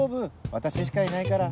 私しかいないから。